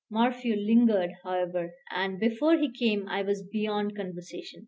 Morphew lingered, however, and, before he came, I was beyond conversation.